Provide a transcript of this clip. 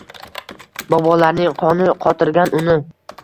Bobolarning qoni qotirgan uni